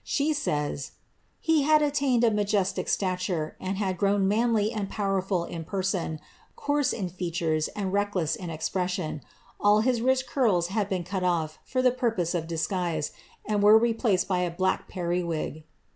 She says, ^^ He had attained a majestic stature, and had grown manly wd powerful in person, coarse in features, and reckless in expression; itt ins rich curls had been cut off for the purpose of disguise, and wen N^ placed by a black periwig."'